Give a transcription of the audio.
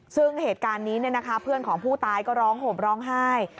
ซึ่งเหตุการณ์นี้เพื่อนของผู้ตายก็ร้องห่มร้องไห้